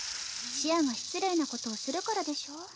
シアが失礼なことをするからでしょ。